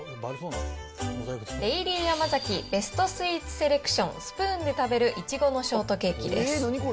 デイリーヤマザキ、ベストスイーツセレクションスプーンで食べる苺のショートケーキです。